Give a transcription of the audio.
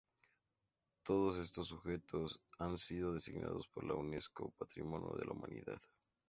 Todos estos conjuntos han sido designados por la Unesco, Patrimonio de la Humanidad.